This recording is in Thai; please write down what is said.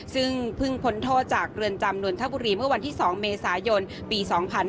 ซึ่งเพิ่งพ้นโทษจากเรือนจำนนทบุรีเมื่อวันที่๒เมษายนปี๒๕๕๙